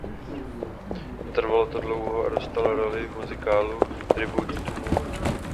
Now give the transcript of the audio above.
Netrvalo to dlouho a dostal roli v muzikálu "Tribute to Motown".